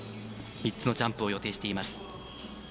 ３つのジャンプを予定しています。